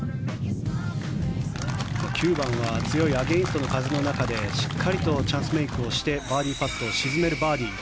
９番は強いアゲンストの風の中でしっかりとチャンスメイクをしてバーディーパットを沈めるバーディー。